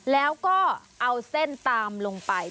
แล้วก็เอาเส้นตามลงไป